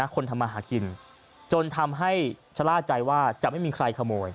คนทำมาหากินจนทำให้ชะล่าใจว่าจะไม่มีใครขโมย